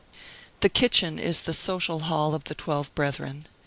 The kitchen is the social hall of the twelve brethren.